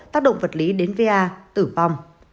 tác động vật lý đến va tử vong